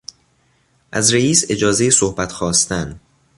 از رییس اجازهی صحبت خواستن